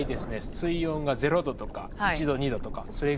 水温が０度とか１度２度とかそれぐらいで。